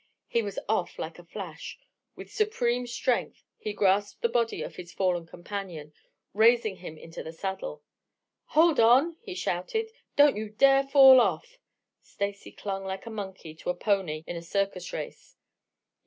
He was off like a flash. With supreme strength, he grasped the body of his fallen companion, raising him into the saddle. "Hold on!" he shouted. "Don't you dare fall off!" Stacy clung like a monkey to a pony in a circus race.